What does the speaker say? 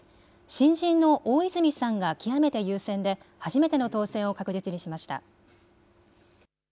新人の大泉さんが極めて優勢で初めての当選を確実にしました。